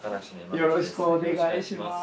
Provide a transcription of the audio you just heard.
よろしくお願いします。